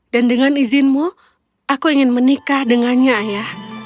dan dengan izinmu aku ingin menikah dengannya ayah